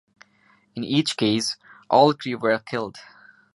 In each case, all crew were killed.